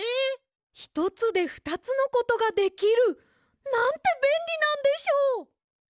ひとつでふたつのことができる。なんてべんりなんでしょう！